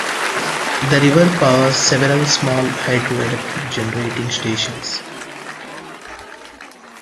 The river powers several small hydroelectric generating stations.